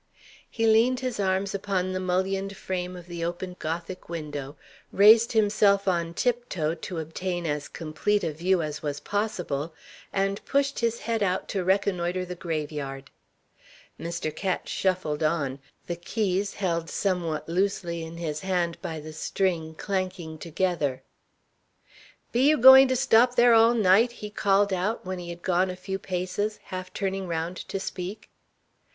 He leaned his arms upon the mullioned frame of the open Gothic window, raised himself on tiptoe to obtain as complete a view as was possible, and pushed his head out to reconnoitre the grave yard. Mr. Ketch shuffled on; the keys, held somewhat loosely in his hand by the string, clanking together. "Be you going to stop there all night?" he called out, when he had gone a few paces, half turning round to speak.